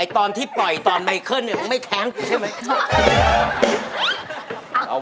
ตอนที่ปล่อยตอนใหม่เข้าเราไม่แท้งใช่ไหม